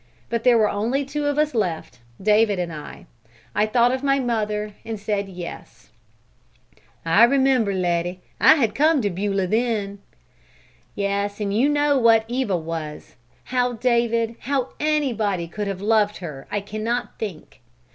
But there were only two of us left, David and I; I thought of mother and said yes." "I remember, Letty; I had come to Beulah then." "Yes, and you know what Eva was. How David, how anybody, could have loved her, I cannot think!